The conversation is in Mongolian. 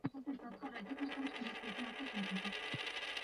Шалгууруудыг бодит байдалтай харьцуулж аудитын дүнг гаргана.